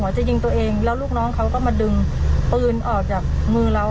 จะยิงตัวเองแล้วลูกน้องเขาก็มาดึงปืนออกจากมือเรา